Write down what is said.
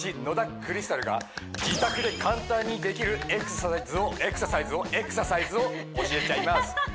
野田クリスタルが自宅で簡単にできるエクササイエクササイズをエクササイズを教えちゃいます